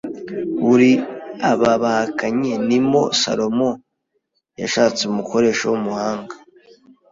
uri aba bahakanyi nimo Salomo yashatse umukoresha w’umuhanga